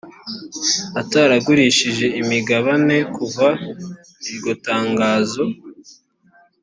ataragurishije imigabane kuva iryo tangazo